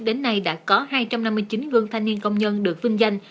đến nay đã có hai trăm năm mươi chín gương thanh niên công nhân được vinh danh